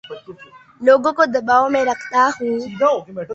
لوگوں کو دباو میں رکھتا ہوں